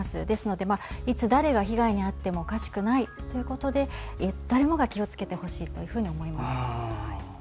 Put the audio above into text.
ですのでいつ誰が被害に遭ってもおかしくないということで誰もが気をつけてほしいと思います。